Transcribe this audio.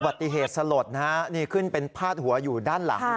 ปฏิเหตุสลดนะฮะนี่ขึ้นเป็นพาดหัวอยู่ด้านหลัง